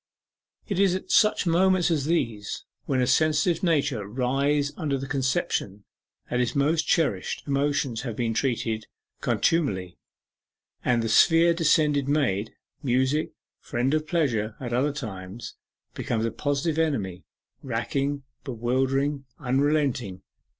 It is at such moments as these, when a sensitive nature writhes under the conception that its most cherished emotions have been treated with contumely, that the sphere descended Maid, Music, friend of Pleasure at other times, becomes a positive enemy racking, bewildering, unrelenting.